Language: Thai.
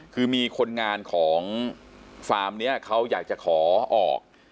คือมีคนงานของฟาร์มนี้เขาอยากจะขอออก